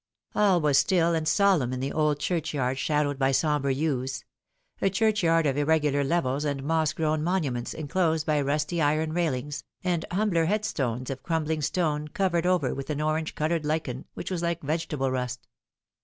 All was still and solemn in the old churchyard shadowed by Bombre yews a churchyard of irregular levels and moss grown monuments enclosed by rusty iron railings, and humbler head stones of crumbling stone covered over with an orange coloured lichen which was like vegetable rust.